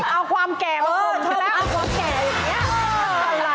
เอาความแก่มากลมเท่าแล้ว